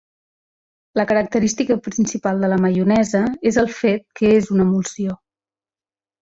La característica principal de la maionesa és el fet que és una emulsió.